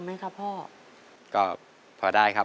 ขอเชยคุณพ่อสนอกขึ้นมาต่อชีวิตเป็นคนต่อไปครับ